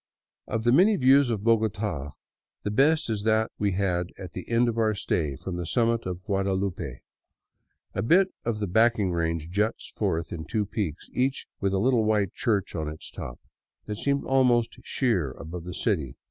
Of the many views of Bogota the best is that we had at the end of our stay, from the summit of Guadalupe. A bit of the backing range juts forth in two peaks, each with a little white church on its top, that seem almost sheer above the city.